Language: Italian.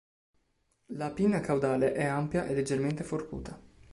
La pinna caudale è ampia e leggermente forcuta.